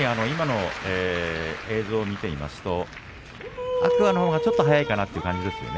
映像を見ていますと天空海のほうがちょっと早いかなという感じですね。